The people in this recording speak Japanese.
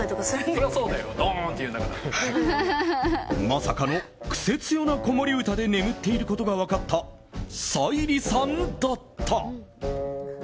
まさかのクセ強な子守歌で眠っていることが分かった沙莉さんだった。